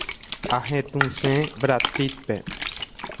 Ahetũse Brad Pittpe.